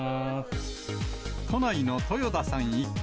都内の豊田さん一家。